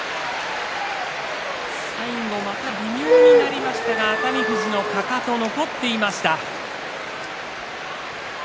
最後、また微妙になりましたが熱海富士のかかと残っていました。